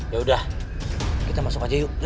yaudah kita masuk aja yuk